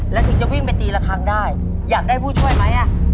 แล้วถึงจะวิ่งไปตีละครั้งได้อยากได้ผู้ช่วยไหม